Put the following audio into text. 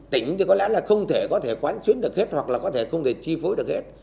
tỉnh có lẽ không thể quán chuyến được hết hoặc không thể chi phối được hết